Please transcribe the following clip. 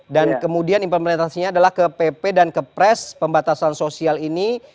dan kemudian implementasinya adalah ke pp dan ke pres pembatasan sosial ini